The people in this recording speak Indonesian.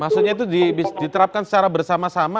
maksudnya itu diterapkan secara bersama sama